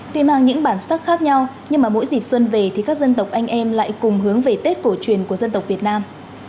tuy mang những bản sắc khác nhau nhưng mà mỗi dịp xuân về thì các dân tộc anh em lại cùng hướng về tết cổ truyền của dân tộc việt nam